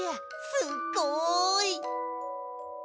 すっごい！